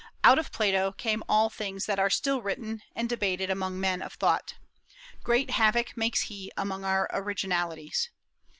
Out of Plato come all things that are still written and debated among men of thought. Great havoc makes he among our originalities.